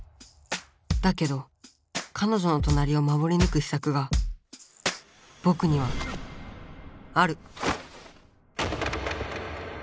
だけどかのじょの隣を守りぬく秘策がぼくにはある。